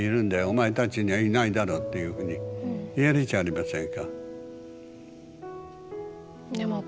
お前たちにはいないだろうっていうふうに言えるじゃありませんか。